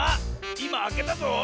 いまあけたぞ！